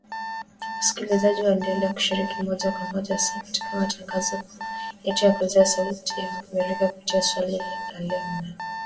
Wasikilizaji waendelea kushiriki moja kwa moja hasa katika matangazo yetu ya Kueleza Sauti ya America kupitia Swali la Leo na Maswali na Majibu